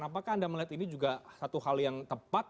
apakah anda melihat ini juga satu hal yang tepat